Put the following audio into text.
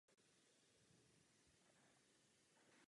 Zároveň vykonával pozici kapitána.